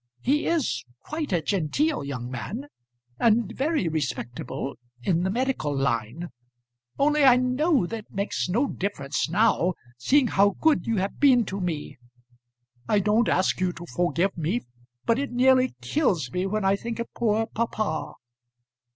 He is quite a genteel young man, and very respectable in the medical line; only I know that makes no difference now, seeing how good you have been to me. I don't ask you to forgive me, but it nearly kills me when I think of poor papa.